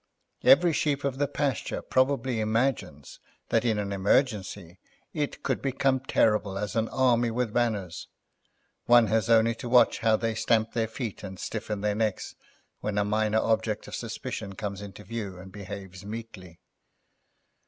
Every sheep of the pasture probably imagines that in an emergency it could become terrible as an army with banners—one has only to watch how they stamp their feet and stiffen their necks when a minor object of suspicion comes into view and behaves meekly.